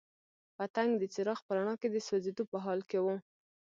پتنګ د څراغ په رڼا کې د سوځېدو په حال کې وو.